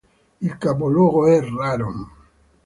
Il capoluogo è Raron.